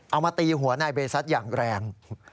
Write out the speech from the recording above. เอามาตีหัวนายเบซัสอย่างแรง